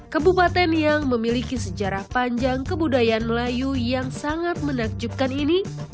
kebupaten yang memiliki sejarah panjang kebudayaan melayu yang sangat menakjubkan ini